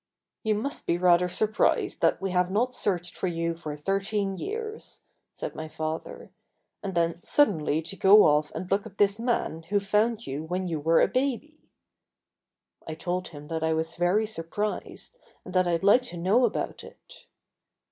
"You must be rather surprised that we have not searched for you for thirteen years," said my father, "and then suddenly to go off and look up this man who found you when you were a baby." I told him that I was very surprised, and that I'd like to know about it.